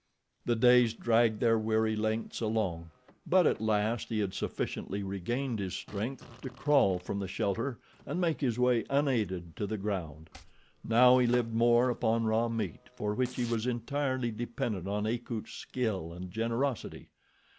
The days dragged their weary lengths along, but at last he had sufficiently regained his strength to crawl from the shelter and make his way unaided to the ground. Now he lived more upon raw meat, for which he was entirely dependent on Akut's skill and generosity.